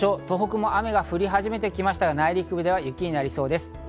東北も雨が降りはじめてきましたが内陸部では雪になりそうです。